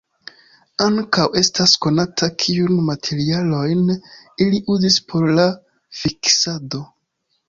Ankaŭ estas konata, kiujn materialojn ili uzis por la fiksado.